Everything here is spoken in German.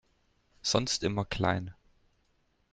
Sonst immer klein!